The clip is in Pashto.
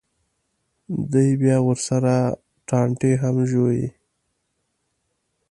دوی بیا ورسره ټانټې هم ژووي.